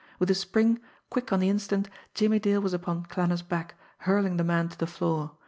With a spring, quick on the instant, Jimmie Dale was upon Klanner's back, hurling the man to the floor.